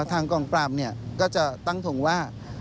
ทางกองปรามก็จะตั้งทงว่า